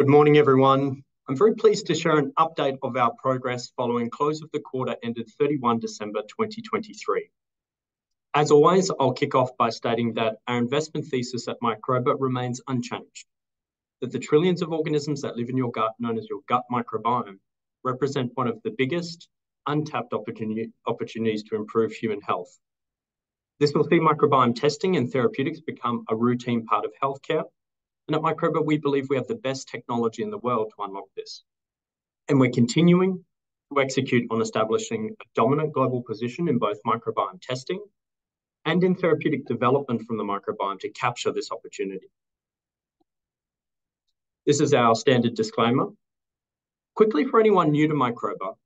Good morning, everyone. I'm very pleased to share an update of our progress following close of the quarter ended 31 December 2023. As always, I'll kick off by stating that our investment thesis at Microba remains unchanged, that the trillions of organisms that live in your gut, known as your gut microbiome, represent one of the biggest untapped opportunities to improve human health. This will see microbiome testing and therapeutics become a routine part of healthcare, and at Microba, we believe we have the best technology in the world to unlock this, and we're continuing to execute on establishing a dominant global position in both microbiome testing and in therapeutic development from the microbiome to capture this opportunity. This is our standard disclaimer. Quickly, for anyone new to Microba,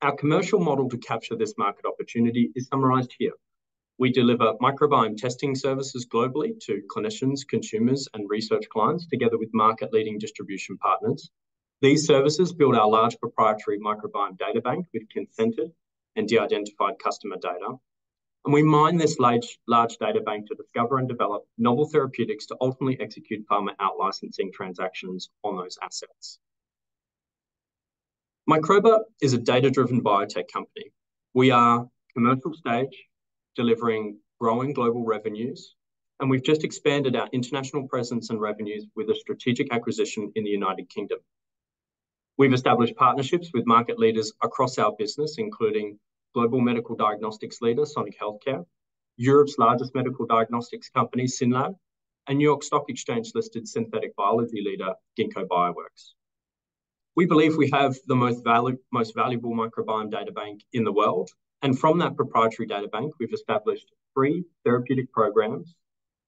our commercial model to capture this market opportunity is summarized here. We deliver microbiome testing services globally to clinicians, consumers, and research clients, together with market-leading distribution partners. These services build our large proprietary microbiome data bank with consented and de-identified customer data, and we mine this large, large data bank to discover and develop novel therapeutics to ultimately execute pharma out-licensing transactions on those assets. Microba is a data-driven biotech company. We are commercial stage, delivering growing global revenues, and we've just expanded our international presence and revenues with a strategic acquisition in the United Kingdom. We've established partnerships with market leaders across our business, including global medical diagnostics leader, Sonic Healthcare, Europe's largest medical diagnostics company, SYNLAB, and New York Stock Exchange-listed synthetic biology leader, Ginkgo Bioworks. We believe we have the most valuable microbiome data bank in the world, and from that proprietary data bank, we've established three therapeutic programs,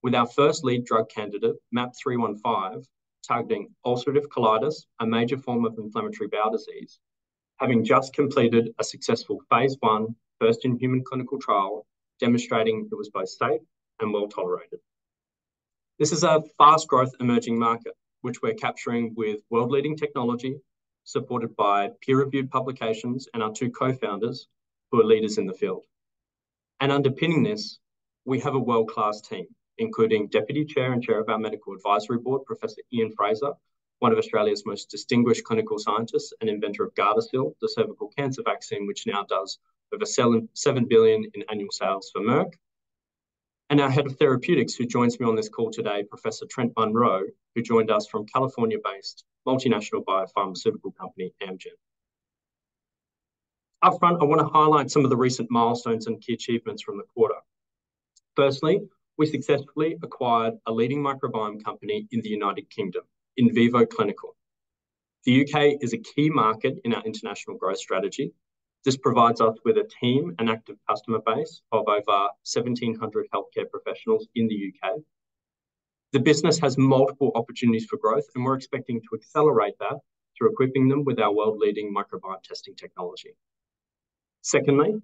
with our first lead drug candidate, MAP 315, targeting ulcerative colitis, a major form of inflammatory bowel disease, having just completed a successful phase I first-in-human clinical trial, demonstrating it was both safe and well-tolerated. This is a fast-growth emerging market, which we're capturing with world-leading technology, supported by peer-reviewed publications and our two co-founders, who are leaders in the field. Underpinning this, we have a world-class team, including Deputy Chair and Chair of our Medical Advisory Board, Professor Ian Frazer, one of Australia's most distinguished clinical scientists and inventor of Gardasil, the cervical cancer vaccine, which now does over $7.7 billion in annual sales for Merck. Our Head of Therapeutics, who joins me on this call today, Professor Trent Munro, who joined us from California-based multinational biopharmaceutical company, Amgen. Upfront, I want to highlight some of the recent milestones and key achievements from the quarter. Firstly, we successfully acquired a leading microbiome company in the United Kingdom, Invivo Healthcare. The U.K. is a key market in our international growth strategy. This provides us with a team and active customer base of over 1,700 healthcare professionals in the U.K. The business has multiple opportunities for growth, and we're expecting to accelerate that through equipping them with our world-leading microbiome testing technology. Secondly,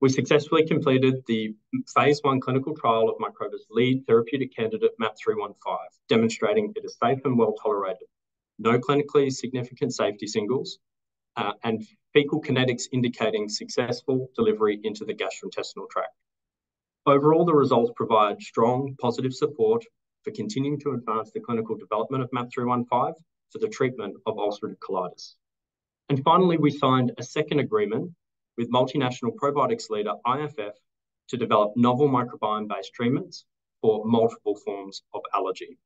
we successfully completed the phase I clinical trial of Microba's lead therapeutic candidate, MAP 315, demonstrating it is safe and well-tolerated. No clinically significant safety signals, and fecal kinetics indicating successful delivery into the gastrointestinal tract. Overall, the results provide strong, positive support for continuing to advance the clinical development of MAP 315 for the treatment of ulcerative colitis. Finally, we signed a second agreement with multinational probiotics leader, IFF, to develop novel microbiome-based treatments for multiple forms of allergy.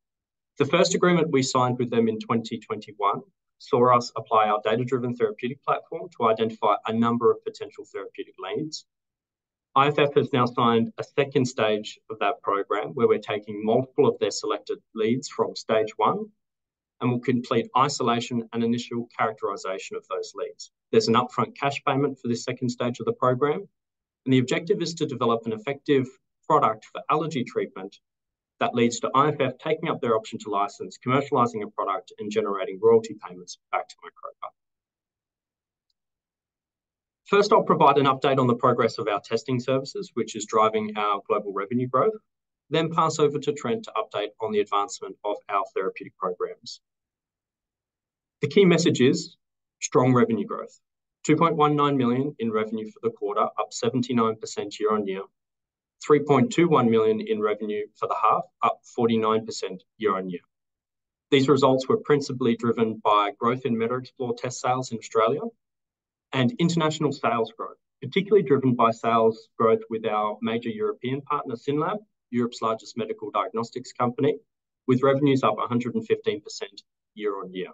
The first agreement we signed with them in 2021 saw us apply our data-driven therapeutic platform to identify a number of potential therapeutic leads. IFF has now signed a second stage of that program, where we're taking multiple of their selected leads from Stage One, and we'll complete isolation and initial characterization of those leads. There's an upfront cash payment for this second stage of the program, and the objective is to develop an effective product for allergy treatment that leads to IFF taking up their option to license, commercializing a product and generating royalty payments back to Microba. First, I'll provide an update on the progress of our testing services, which is driving our global revenue growth, then pass over to Trent to update on the advancement of our therapeutic programs. The key message is strong revenue growth. 2.19 million in revenue for the quarter, up 79% year-on-year. 3.21 million in revenue for the half, up 49% year-on-year. These results were principally driven by growth in MetaXplore test sales in Australia and international sales growth, particularly driven by sales growth with our major European partner, SYNLAB, Europe's largest medical diagnostics company, with revenues up 115% year-on-year.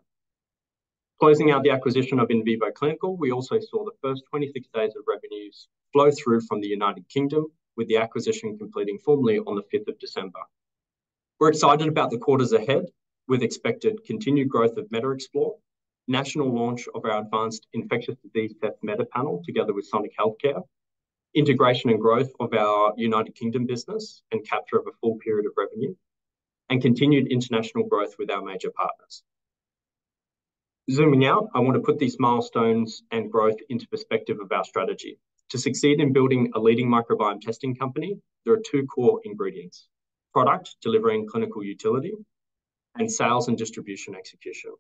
Closing out the acquisition of Invivo Healthcare, we also saw the first 26 days of revenues flow through from the United Kingdom, with the acquisition completing formally on the fifth of December. We're excited about the quarters ahead, with expected continued growth of MetaXplore, national launch of our advanced infectious disease test MetaPanel, together with Sonic Healthcare, integration and growth of our United Kingdom business and capture of a full period of revenue, and continued international growth with our major partners. Zooming out, I want to put these milestones and growth into perspective of our strategy. To succeed in building a leading microbiome testing company, there are two core ingredients: product, delivering clinical utility, and sales and distribution execution.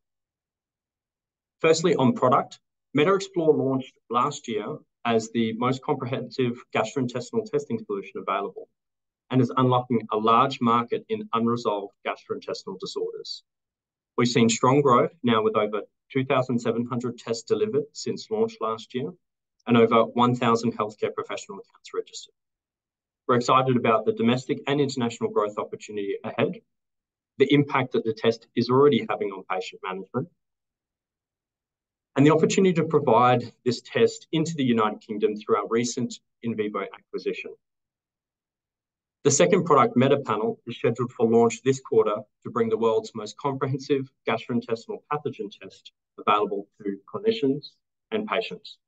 First, on product, MetaXplore launched last year as the most comprehensive gastrointestinal testing solution available, and is unlocking a large market in unresolved gastrointestinal disorders. We've seen strong growth now with over 2,700 tests delivered since launch last year, and over 1,000 healthcare professional accounts registered. We're excited about the domestic and international growth opportunity ahead, the impact that the test is already having on patient management, and the opportunity to provide this test into the United Kingdom through our recent Invivo acquisition. The second product, MetaPanel, is scheduled for launch this quarter to bring the world's most comprehensive gastrointestinal pathogen test available to clinicians and patients.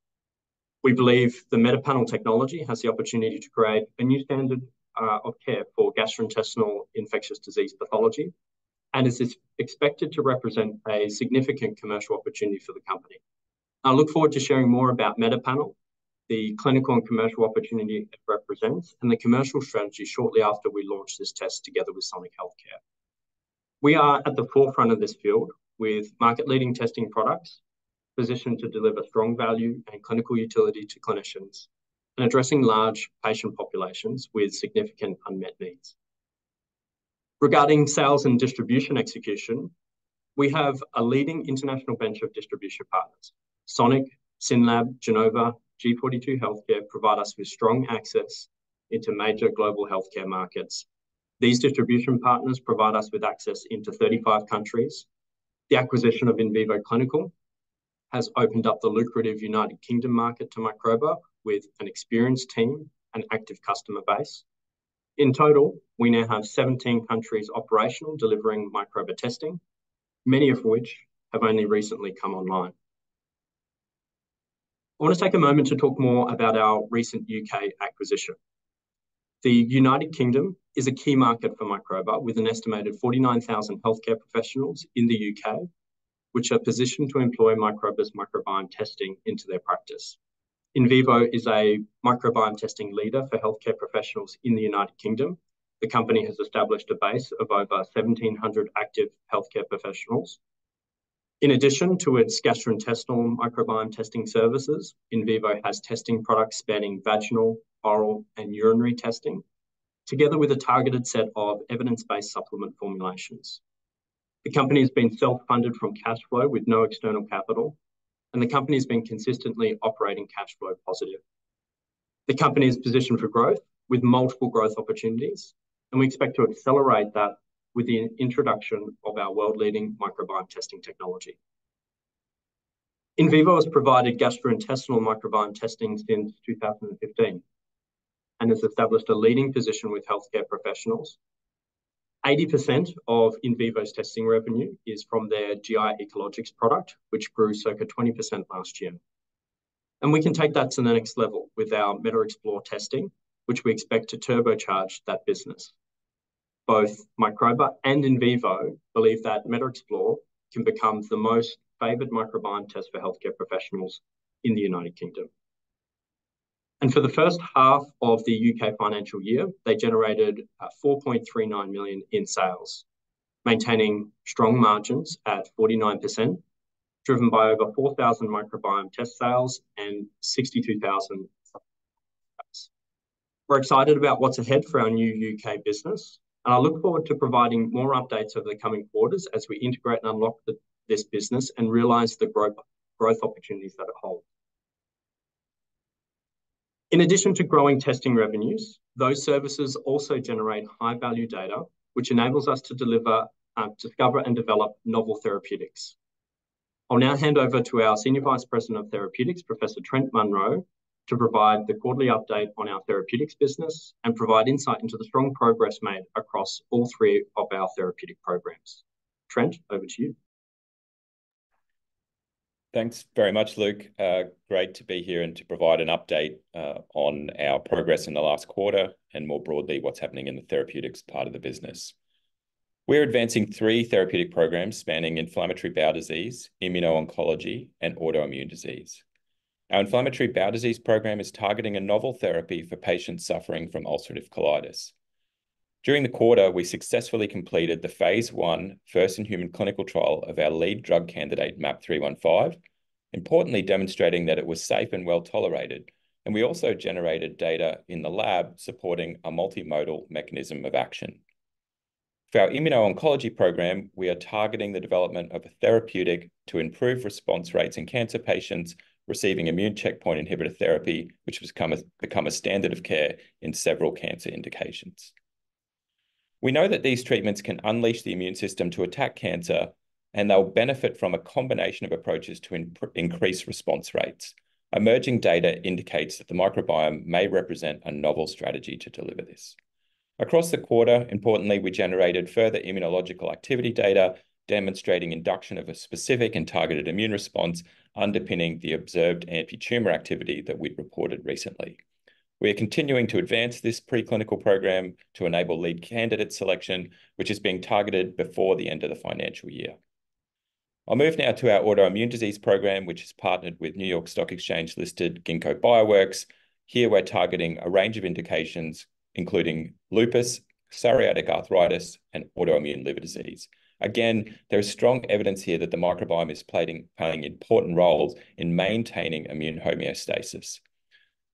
We believe the MetaPanel technology has the opportunity to create a new standard of care for gastrointestinal infectious disease pathology, and is expected to represent a significant commercial opportunity for the company. I look forward to sharing more about MetaPanel, the clinical and commercial opportunity it represents, and the commercial strategy shortly after we launch this test together with Sonic Healthcare. We are at the forefront of this field, with market-leading testing products, positioned to deliver strong value and clinical utility to clinicians, and addressing large patient populations with significant unmet needs. Regarding sales and distribution execution, we have a leading international bench of distribution partners. Sonic, SYNLAB, Genova, G42 Healthcare provide us with strong access into major global healthcare markets. These distribution partners provide us with access into 35 countries. The acquisition of Invivo Healthcare has opened up the lucrative United Kingdom market to Microba, with an experienced team and active customer base. In total, we now have 17 countries operational, delivering Microba testing, many of which have only recently come online. I want to take a moment to talk more about our recent U.K. acquisition. The United Kingdom is a key market for Microba, with an estimated 49,000 healthcare professionals in the U.K., which are positioned to employ Microba's microbiome testing into their practice. Invivo is a microbiome testing leader for healthcare professionals in the United Kingdom. The company has established a base of over 1,700 active healthcare professionals. In addition to its gastrointestinal microbiome testing services, Invivo has testing products spanning vaginal, oral, and urinary testing, together with a targeted set of evidence-based supplement formulations. The company has been self-funded from cash flow with no external capital, and the company's been consistently operating cash flow positive. The company is positioned for growth, with multiple growth opportunities, and we expect to accelerate that with the introduction of our world-leading microbiome testing technology. Invivo has provided gastrointestinal microbiome testing since 2015, and has established a leading position with healthcare professionals. 80% of Invivo's testing revenue is from their GI EcologiX product, which grew circa 20% last year. We can take that to the next level with our MetaXplore testing, which we expect to turbocharge that business. Both Microba and Invivo believe that MetaXplore can become the most favored microbiome test for healthcare professionals in the United Kingdom. For the H1 of the U.K. financial year, they generated 4.39 million in sales, maintaining strong margins at 49%, driven by over 4,000 microbiome test sales and 62,000. We're excited about what's ahead for our new UK business, and I look forward to providing more updates over the coming quarters as we integrate and unlock the, this business and realize the growth, growth opportunities that it hold. In addition to growing testing revenues, those services also generate high-value data, which enables us to deliver, discover and develop novel therapeutics. I'll now hand over to our Senior Vice President of Therapeutics, Professor Trent Munro, to provide the quarterly update on our therapeutics business and provide insight into the strong progress made across all three of our therapeutic programs. Trent, over to you. Thanks very much, Luke. Great to be here and to provide an update on our progress in the last quarter, and more broadly, what's happening in the therapeutics part of the business. We're advancing three therapeutic programs spanning inflammatory bowel disease, immuno-oncology, and autoimmune disease. Our inflammatory bowel disease program is targeting a novel therapy for patients suffering from ulcerative colitis. During the quarter, we successfully completed the phase I first-in-human clinical trial of our lead drug candidate, MAP 315, importantly demonstrating that it was safe and well-tolerated, and we also generated data in the lab supporting a multimodal mechanism of action. For our immuno-oncology program, we are targeting the development of a therapeutic to improve response rates in cancer patients receiving immune checkpoint inhibitor therapy, which has become a standard of care in several cancer indications. We know that these treatments can unleash the immune system to attack cancer, and they'll benefit from a combination of approaches to increase response rates. Emerging data indicates that the microbiome may represent a novel strategy to deliver this. Across the quarter, importantly, we generated further immunological activity data, demonstrating induction of a specific and targeted immune response underpinning the observed anti-tumor activity that we've reported recently. We are continuing to advance this preclinical program to enable lead candidate selection, which is being targeted before the end of the financial year. I'll move now to our autoimmune disease program, which is partnered with New York Stock Exchange-listed Ginkgo Bioworks. Here, we're targeting a range of indications, including lupus, psoriatic arthritis, and autoimmune liver disease. Again, there is strong evidence here that the microbiome is playing important roles in maintaining immune homeostasis.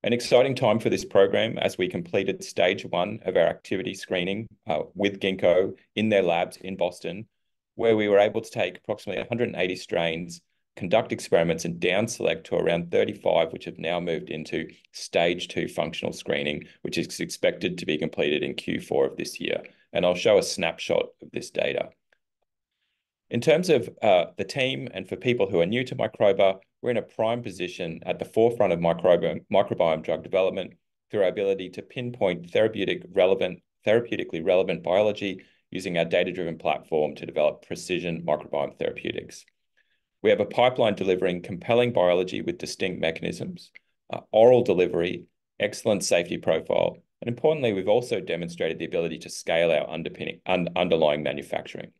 An exciting time for this program as we completed stage 1 of our activity screening with Ginkgo in their labs in Boston, where we were able to take approximately 180 strains, conduct experiments, and down select to around 35, which have now moved into stage 2 functional screening, which is expected to be completed in Q4 of this year, and I'll show a snapshot of this data. In terms of the team and for people who are new to Microba, we're in a prime position at the forefront of microbiome drug development through our ability to pinpoint therapeutically relevant biology using our data-driven platform to develop precision microbiome therapeutics. We have a pipeline delivering compelling biology with distinct mechanisms, an oral delivery, excellent safety profile, and importantly, we've also demonstrated the ability to scale our underlying manufacturing.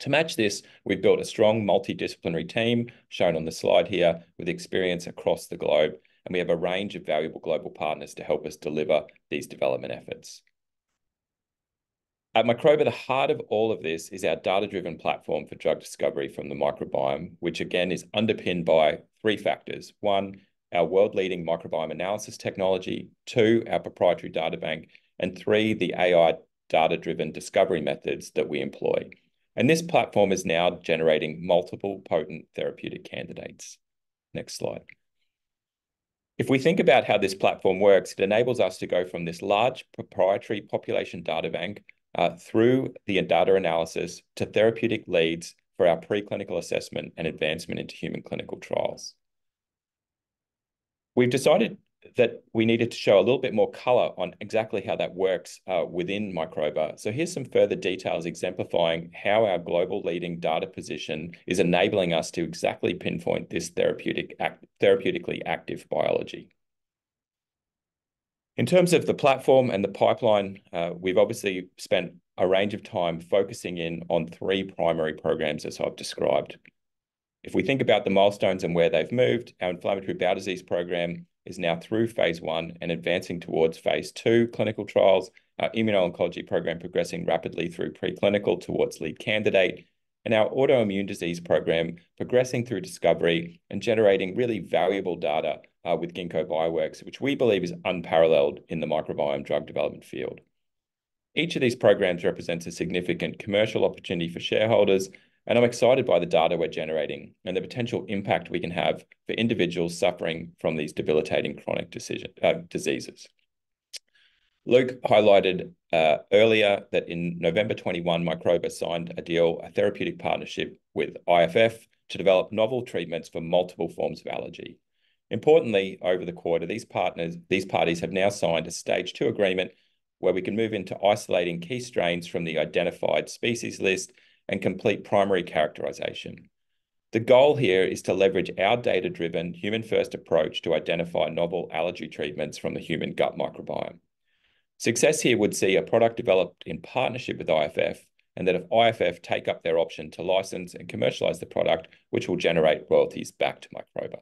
To match this, we've built a strong multidisciplinary team, shown on the slide here, with experience across the globe, and we have a range of valuable global partners to help us deliver these development efforts. At Microba, the heart of all of this is our data-driven platform for drug discovery from the microbiome, which again, is underpinned by three factors. One, our world-leading microbiome analysis technology; two, our proprietary data bank; and three, the AI data-driven discovery methods that we employ. This platform is now generating multiple potent therapeutic candidates. Next slide. If we think about how this platform works, it enables us to go from this large proprietary population data bank through the data analysis to therapeutic leads for our preclinical assessment and advancement into human clinical trials. We've decided that we needed to show a little bit more color on exactly how that works, within Microba. Here's some further details exemplifying how our global leading data position is enabling us to exactly pinpoint this therapeutic act-- therapeutically active biology. In terms of the platform and the pipeline, we've obviously spent a range of time focusing in on three primary programs, as I've described. If we think about the milestones and where they've moved, our inflammatory bowel disease program is now through phase I and advancing towards phase II clinical trials, our immuno-oncology program progressing rapidly through preclinical towards lead candidate, and our autoimmune disease program progressing through discovery and generating really valuable data, with Ginkgo Bioworks, which we believe is unparalleled in the microbiome drug development field. Each of these programs represents a significant commercial opportunity for shareholders, and I'm excited by the data we're generating and the potential impact we can have for individuals suffering from these debilitating chronic conditions, diseases. Luke highlighted earlier that in November 2021, Microba signed a deal, a therapeutic partnership with IFF to develop novel treatments for multiple forms of allergy. Importantly, over the quarter, these partners, these parties have now signed a stage two agreement, where we can move into isolating key strains from the identified species list and complete primary characterization. The goal here is to leverage our data-driven, human-first approach to identify novel allergy treatments from the human gut microbiome. Success here would see a product developed in partnership with IFF, and that if IFF take up their option to license and commercialize the product, which will generate royalties back to Microba.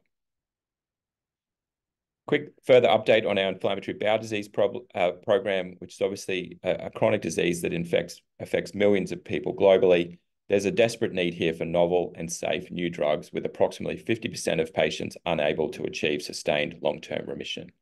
Quick further update on our inflammatory bowel disease program, which is obviously a chronic disease that affects millions of people globally. There's a desperate need here for novel and safe new drugs, with approximately 50% of patients unable to achieve sustained long-term remission.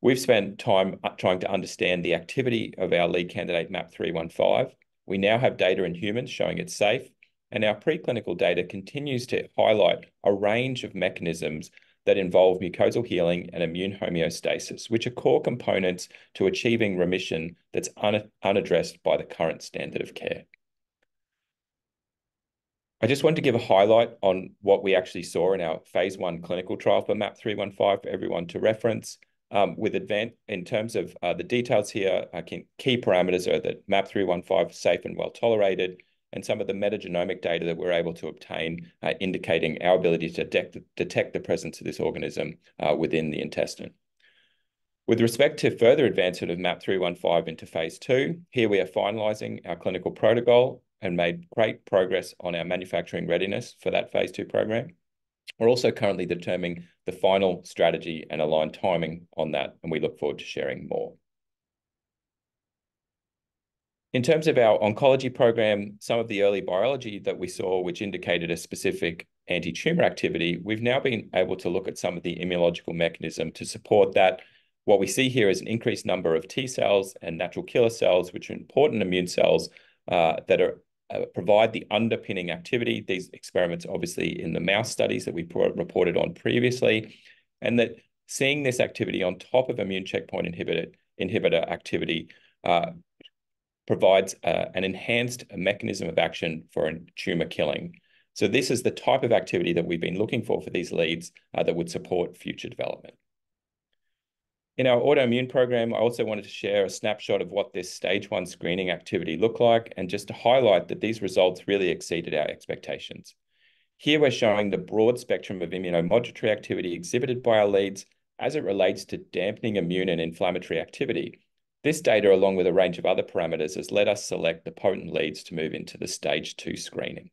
We've spent time trying to understand the activity of our lead candidate, MAP 315. We now have data in humans showing it's safe, and our preclinical data continues to highlight a range of mechanisms that involve mucosal healing and immune homeostasis, which are core components to achieving remission that's unaddressed by the current standard of care. I just wanted to give a highlight on what we actually saw in our phase II clinical trial for MAP 315 for everyone to reference. With advent, in terms of, the details here, key, key parameters are that MAP 315 is safe and well-tolerated, and some of the metagenomic data that we're able to obtain, indicating our ability to detect the presence of this organism, within the intestine. With respect to further advancement of MAP 315 into phase I, here we are finalizing our clinical protocol and made great progress on our manufacturing readiness for that phase II program. We're also currently determining the final strategy and align timing on that, and we look forward to sharing more. In terms of our oncology program, some of the early biology that we saw, which indicated a specific anti-tumor activity, we've now been able to look at some of the immunological mechanism to support that. What we see here is an increased number of T cells and natural killer cells, which are important immune cells, that provide the underpinning activity. These experiments, obviously, in the mouse studies that we reported on previously, and seeing this activity on top of immune checkpoint inhibitor activity provides an enhanced mechanism of action for tumor killing. So this is the type of activity that we've been looking for these leads that would support future development. In our autoimmune program, I also wanted to share a snapshot of what this stage one screening activity looked like, and just to highlight that these results really exceeded our expectations. Here we're showing the broad spectrum of immunomodulatory activity exhibited by our leads as it relates to dampening immune and inflammatory activity. This data, along with a range of other parameters, has led us to select the potent leads to move into the stage 2 screening.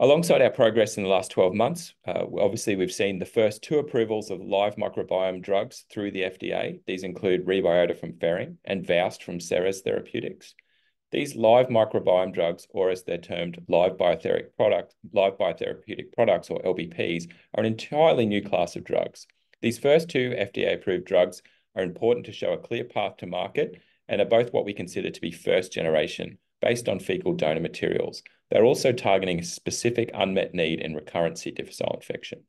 Alongside our progress in the last 12 months, obviously we've seen the first 2 approvals of live microbiome drugs through the FDA. These include Rebyota from Ferring and VOWST from Seres Therapeutics. These live microbiome drugs, or as they're termed, live biotherapeutic product, live biotherapeutic products, or LBPs, are an entirely new class of drugs. These first 2 FDA-approved drugs are important to show a clear path to market and are both what we consider to be first generation, based on fecal donor materials. They're also targeting a specific unmet need in recurrent C. difficile infection.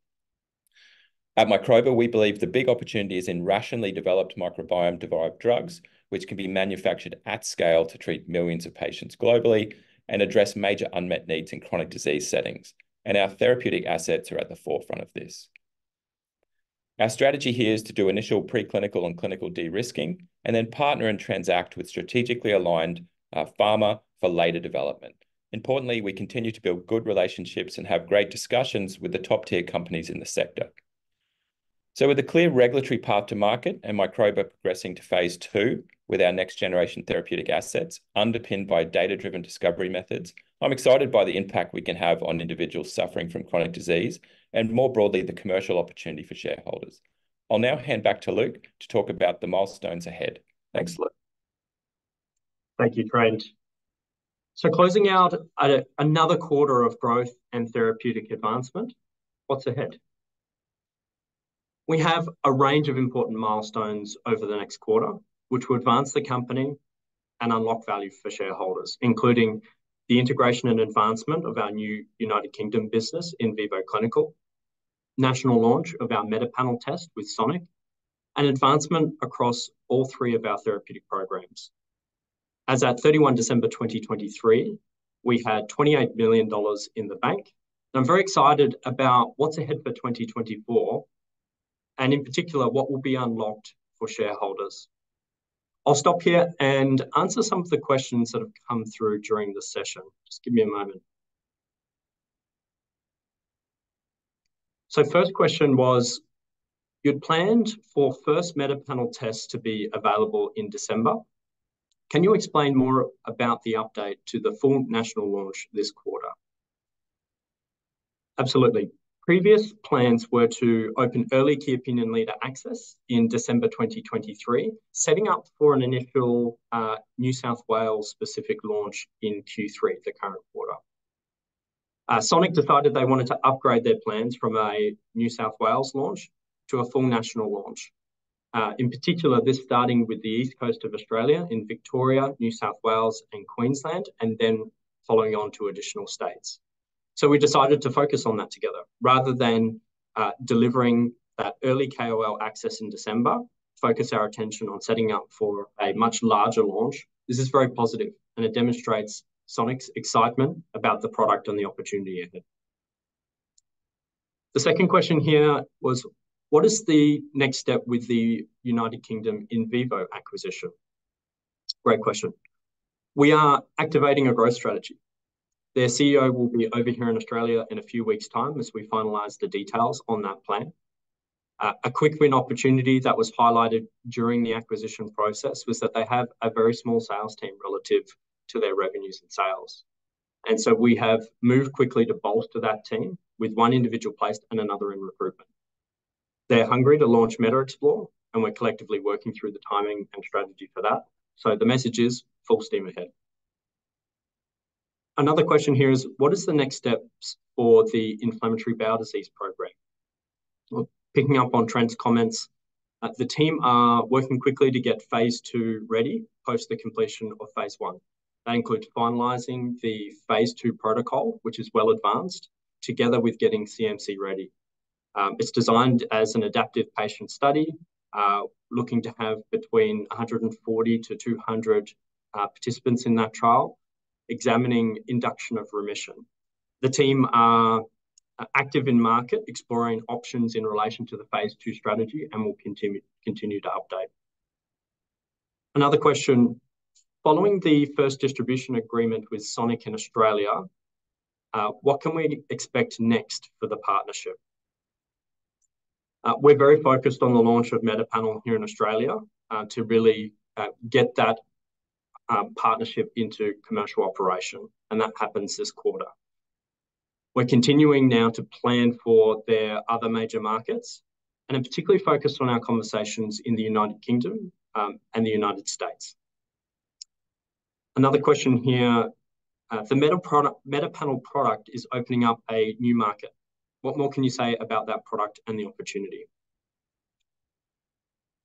At Microba, we believe the big opportunity is in rationally developed microbiome-derived drugs, which can be manufactured at scale to treat millions of patients globally and address major unmet needs in chronic disease settings, and our therapeutic assets are at the forefront of this. Our strategy here is to do initial preclinical and clinical de-risking, and then partner and transact with strategically aligned, pharma for later development. Importantly, we continue to build good relationships and have great discussions with the top-tier companies in the sector. So with a clear regulatory path to market and Microba progressing to Phase II with our next generation therapeutic assets, underpinned by data-driven discovery methods, I'm excited by the impact we can have on individuals suffering from chronic disease, and more broadly, the commercial opportunity for shareholders. I'll now hand back to Luke to talk about the milestones ahead. Thanks, Luke. Thank you, Trent. So closing out another quarter of growth and therapeutic advancement, what's ahead? We have a range of important milestones over the next quarter, which will advance the company and unlock value for shareholders, including the integration and advancement of our new United Kingdom business, Invivo Clinical; national launch of our MetaPanel test with Sonic; and advancement across all three of our therapeutic programs. As at 31 December 2023, we had 28 million dollars in the bank, and I'm very excited about what's ahead for 2024, and in particular, what will be unlocked for shareholders. I'll stop here and answer some of the questions that have come through during the session. Just give me a moment. So first question was: "You'd planned for first MetaPanel test to be available in December. Can you explain more about the update to the full national launch this quarter?" Absolutely. Previous plans were to open early key opinion leader access in December 2023, setting up for an initial, New South Wales-specific launch in Q3, the current quarter. Sonic decided they wanted to upgrade their plans from a New South Wales launch to a full national launch. In particular, this starting with the East Coast of Australia in Victoria, New South Wales and Queensland, and then following on to additional states. So we decided to focus on that together, rather than, delivering that early KOL access in December, focus our attention on setting up for a much larger launch. This is very positive, and it demonstrates Sonic's excitement about the product and the opportunity ahead. The second question here was: "What is the next step with the United Kingdom Invivo acquisition?" Great question. We are activating a growth strategy. Their CEO will be over here in Australia in a few weeks' time as we finalize the details on that plan. A quick win opportunity that was highlighted during the acquisition process was that they have a very small sales team relative to their revenues and sales, and so we have moved quickly to bolster that team, with one individual placed and another in recruitment. They're hungry to launch MetaXplore, and we're collectively working through the timing and strategy for that. So the message is, full steam ahead. Another question here is: "What is the next steps for the inflammatory bowel disease program?" Well, picking up on Trent's comments, the team are working quickly to get phase II ready post the completion of phase I. That includes finalizing the phase II protocol, which is well advanced, together with getting CMC ready. It's designed as an adaptive patient study, looking to have between 140-200 participants in that trial, examining induction of remission. The team are active in market, exploring options in relation to the phase II strategy and will continue to update. Another question: "Following the first distribution agreement with Sonic in Australia, what can we expect next for the partnership?" We're very focused on the launch of MetaPanel here in Australia, to really get that partnership into commercial operation, and that happens this quarter. We're continuing now to plan for their other major markets, and are particularly focused on our conversations in the United Kingdom and the United States. Another question here: "The Meta product, MetaPanel product is opening up a new market. What more can you say about that product and the opportunity?"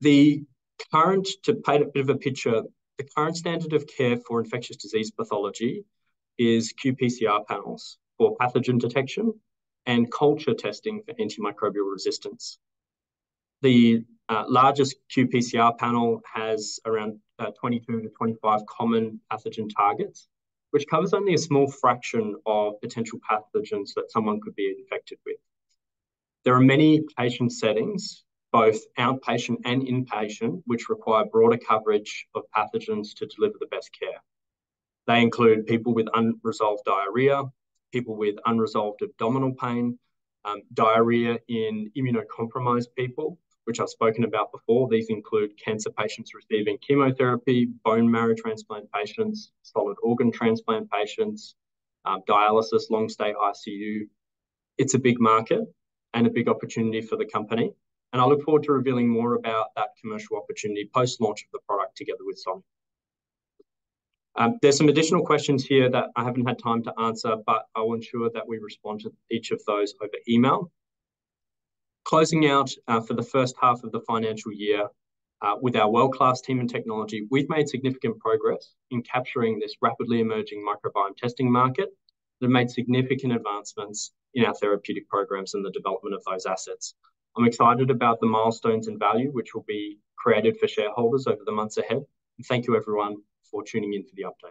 To paint a bit of a picture, the current standard of care for infectious disease pathology is qPCR panels for pathogen detection and culture testing for antimicrobial resistance. The largest qPCR panel has around 22-25 common pathogen targets, which covers only a small fraction of potential pathogens that someone could be infected with. There are many patient settings, both outpatient and inpatient, which require broader coverage of pathogens to deliver the best care. They include people with unresolved diarrhea, people with unresolved abdominal pain, diarrhea in immunocompromised people, which I've spoken about before. These include cancer patients receiving chemotherapy, bone marrow transplant patients, solid organ transplant patients, dialysis, long-stay ICU. It's a big market and a big opportunity for the company, and I look forward to revealing more about that commercial opportunity post-launch of the product together with Sonic. There's some additional questions here that I haven't had time to answer, but I will ensure that we respond to each of those over email. Closing out, for the H1 of the financial year, with our world-class team and technology, we've made significant progress in capturing this rapidly emerging microbiome testing market, and have made significant advancements in our therapeutic programs and the development of those assets. I'm excited about the milestones and value which will be created for shareholders over the months ahead, and thank you everyone for tuning in to the update.